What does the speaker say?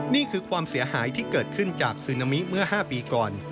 นี่คือความเสียหายที่เกิดขึ้นจากซึนามิเมื่อ๕ปีก่อน